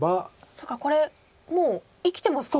そっかこれもう生きてますか？